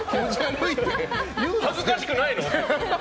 恥ずかしくないの？